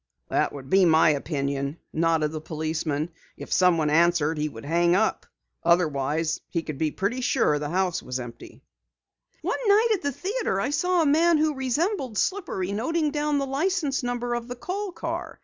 "That would be my opinion," nodded the policeman. "If someone answered, he could hang up. Otherwise, he would be fairly sure the house was empty." "One night at the theatre I saw a man who resembled Slippery noting down the license number of the Kohl car.